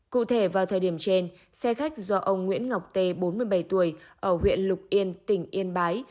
cụ thể vào thời điểm trên xe khách do ông nguyễn ngọc tê bốn mươi bảy tuổi ở huyện lục yên tỉnh yên bái